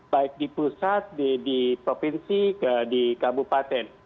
baik di pusat di provinsi di kabupaten